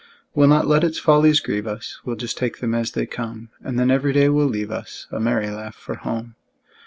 We'll not let its follies grieve us, We'll just take them as they come; And then every day will leave us A merry laugh for home.